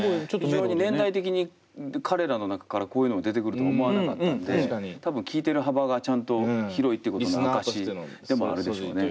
非常に年代的に彼らの中からこういうのが出てくるとは思わなかったんで多分聴いてる幅がちゃんと広いってことの証しでもあるでしょうね。